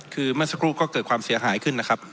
คือเมื่อสักครู่ก็เกิดความเสียหายขึ้นนะครับ